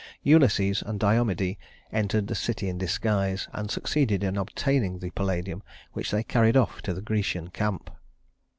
Ulysses and Diomede entered the city in disguise, and succeeded in obtaining the Palladium, which they carried off to the Grecian camp.